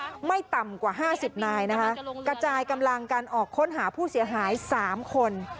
เวลาไม่ต่ำกว่า๕๐นายกระจายกำลังการออกคนหาผู้เสียหาย๓คน